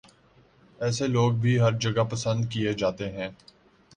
ایسے لوگ بھی ہر جگہ پسند کیے جاتے ہیں